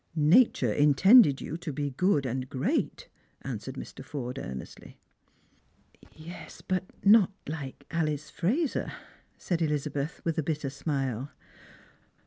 " Nature intended you to be good and great," answered Mr. Forde earnestly. " But not like Alice Fraser," said Elizabeth, with a bitter smile.